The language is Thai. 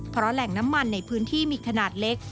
เพราะแหล่งน้ำมันในพื้นที่มีขนาดเล็ก